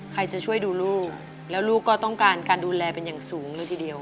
ใครจะช่วยดูลูกแล้วลูกก็ต้องการการดูแลเป็นอย่างสูงเลยทีเดียว